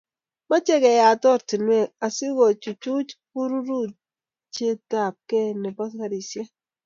Mochei keyat oratinwek asikochuchuch karuruchetabkei nebo garisiek